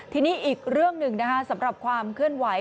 ทีนี้อีกเรื่องหนึ่งสำหรับความเคลื่อนไหว